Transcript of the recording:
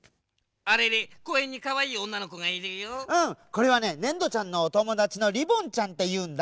これはねねんどちゃんのおともだちのりぼんちゃんっていうんだ。